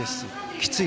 きつい。